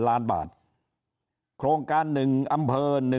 ๒๙๐๐๐ล้านบาทโครงการนึงอำเภอ